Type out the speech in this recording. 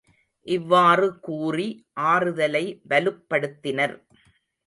இவ்வாறு கூறி ஆறுதலை வலுப்படுத்தினர்.